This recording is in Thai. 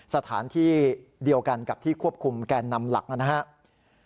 สถานที่เดียวกันกับที่ควบคุมแกนนำหลักนะครับ